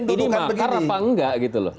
ini makar apa enggak gitu loh